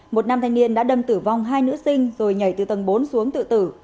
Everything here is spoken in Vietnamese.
một nam thanh niên đã đâm tử vong hai nữ sinh rồi nhảy từ tầng bốn xuống tự tử